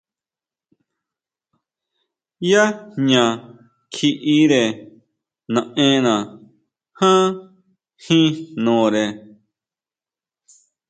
Yá jña kjiʼire naʼenna ján jin jnore.